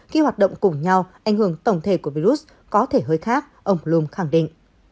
khi hoạt động cùng nhau ảnh hưởng tổng thể của virus có thể hơi khác ông cloum khẳng định